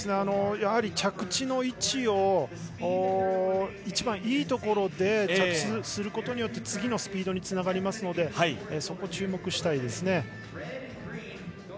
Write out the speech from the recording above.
やはり着地の位置を一番いいところで着地することによって次のスピードにつながるのでそこに注目したいですね。